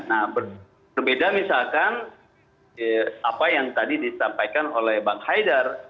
nah berbeda misalkan apa yang tadi disampaikan oleh bang haidar